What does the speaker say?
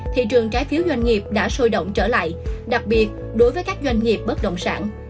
thị trường trái phiếu doanh nghiệp đã sôi động trở lại đặc biệt đối với các doanh nghiệp bất động sản